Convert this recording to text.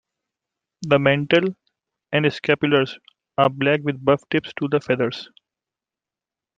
The mantle and scapulars are black with buff tips to the feathers.